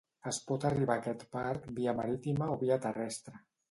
Es pot arribar a aquest parc via marítima o via terrestre.